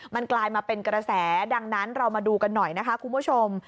มันกลายมาเป็นกระแสดังนั้นเรามาดูกันหน่อยนะคะคุณผู้ชม